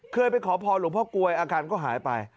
เคยไปขอพรหลวงพ่อกลวยอาการก็หายไป